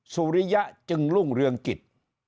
สุริยะจึงรุ่งเรืองกิจ